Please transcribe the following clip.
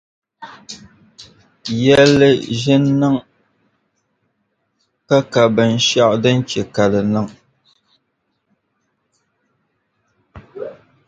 Yɛnli ʒi n-niŋ ka bɛn' shɛɣu din che ka di niŋ.